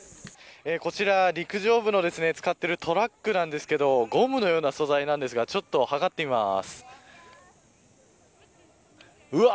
こちら、陸上部の使っているトラックなんですけどゴムのような素材なんですが計ってみます。